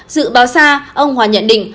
dự báo xa ông hòa nhận định